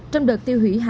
trong đợt tiêu hủy hàng hóa